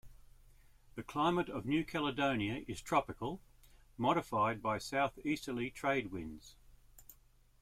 The climate of New Caledonia is tropical, modified by southeasterly trade winds.